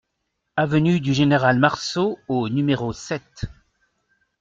Avenue du Général Marceau au numéro sept